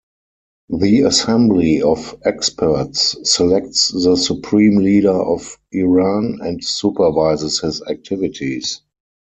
The Assembly of Experts selects the Supreme Leader of Iran and supervises his activities.